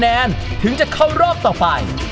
ยังเพราะความสำคัญ